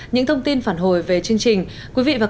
nhưng tối đa không quá ba lần